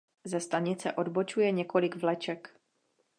Ze stanice odbočuje několik vleček.